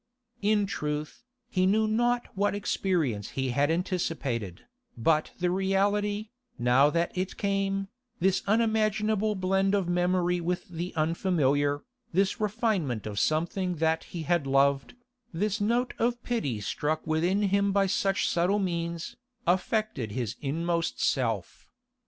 In truth, he knew not what experience he had anticipated, but the reality, now that it came, this unimaginable blending of memory with the unfamiliar, this refinement of something that he had loved, this note of pity struck within him by such subtle means, affected his inmost self.